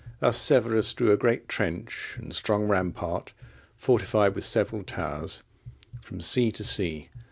Thus Severus drew a great trench and strong rampart, fortified with several towers, from sea to sea.